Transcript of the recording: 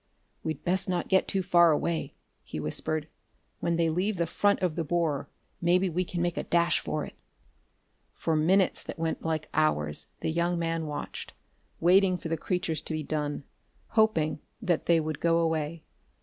"We'd best not get too far away," he whispered. "When they leave the front of the borer, maybe we can make a dash for it." For minutes that went like hours the young man watched, waiting for the creatures to be done, hoping that they would go away.